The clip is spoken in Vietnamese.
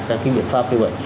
các cái biện pháp như vậy